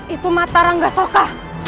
itu mata ranggasoka